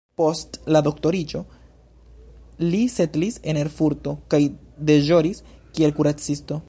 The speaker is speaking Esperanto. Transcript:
Post la doktoriĝo li setlis en Erfurto kaj deĵoris kiel kuracisto.